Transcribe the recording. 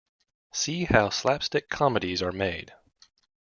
See how slapstick comedies are made.